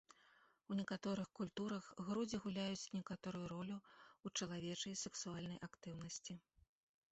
У некаторых культурах грудзі гуляюць некаторую ролю ў чалавечай сексуальнай актыўнасці.